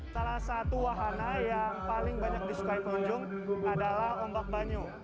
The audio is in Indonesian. salah satu wahana yang paling banyak disukai pengunjung adalah ombak banyu